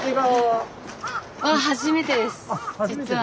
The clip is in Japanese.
実は。